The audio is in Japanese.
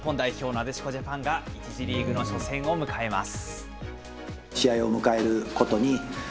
なでしこジャパンが１次リーグの初戦を迎えます。